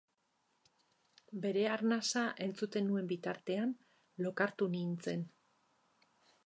Bere arnasa entzuten nuen bitartean lokartu nintzen.